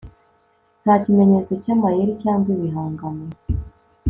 Nta kimenyetso cyamayeri cyangwa ibihangano